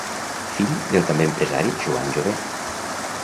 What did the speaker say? Fill del també empresari Joan Jover.